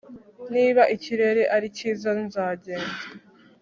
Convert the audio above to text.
Niba ikirere ari cyiza nzagenda